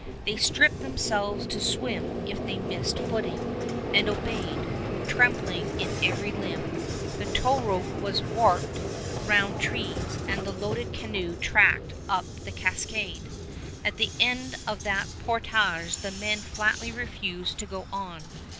They stripped themselves to swim if they missed footing, and obeyed, trembling in every limb. The towrope was warped round trees and the loaded canoe tracked up the cascade. At the end of that portage the men flatly refused to go on.